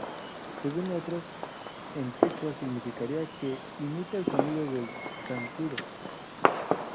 Según otros, en quechua significaría "que imita el sonido del zancudo".